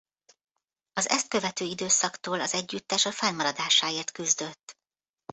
Az ezt követő időszaktól az együttes a fennmaradásáért küzdött.